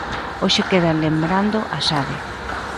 Hoxe quedan lembrando a Sade.